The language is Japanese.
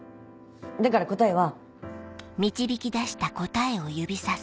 だから答えは。